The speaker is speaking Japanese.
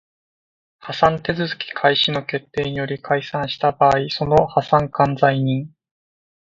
破産手続開始の決定により解散した場合その破産管財人